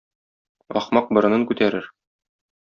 Ахмак борынын күтәрер.